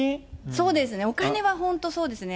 そうですね、お金は本当、そうですね。